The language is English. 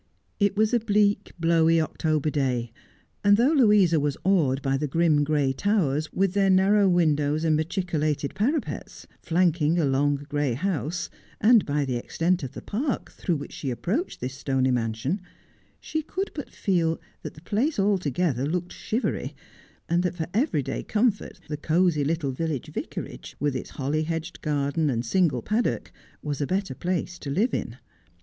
It was a bleak, blowy October day, and though Louisa was awed by the grim gray towers, with their narrow windows and machicolated parapets, flanking a long gray house, and by the eztent of the park through which she approached this stony mansion, she could but feel that the place altogether looked shivery, and that for every day comfort the cosy little village vicarage, with its holly hedged garden and single paddock, was a better place to live in.